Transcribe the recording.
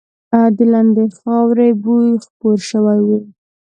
د لندې خاورې بوی خپور شوی و.